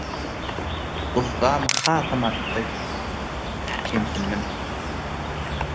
Gussam hasam artdy, kemsindim.